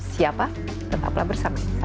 siapa tetaplah bersama insight